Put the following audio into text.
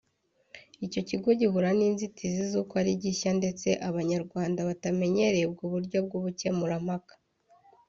Icyo kigo gihura n’inzitizi z’uko ari gishya ndetse Abanyarwanda batamenyereye ubwo buryo bw’ubukemurampaka